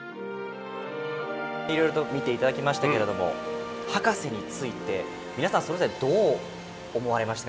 いろいろと見ていただきましたけれども博士について皆さんそれぞれどう思われました？